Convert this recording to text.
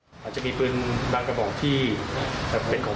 ส่วนผู้ที่ยิงปืนก็เป็นต้องกิน